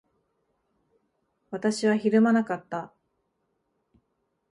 私はひるまなかった。